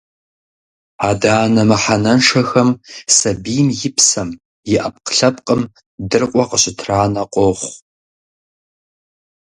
Адэ-анэ мыхьэнэншэхэм сабийм и псэм, и ӏэпкълъэпкъым дыркъуэ къыщытранэ къохъу.